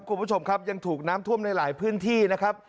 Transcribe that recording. คุณผู้ชมครับยังถูกน้ำท่วมในหลายพื้นที่นะครับ